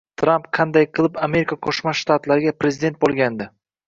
Tramp qanday qilib Amerika Qo'shma Shtatlariga prezident bo‘lgandi?